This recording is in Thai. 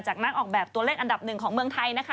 นักออกแบบตัวเลขอันดับหนึ่งของเมืองไทยนะคะ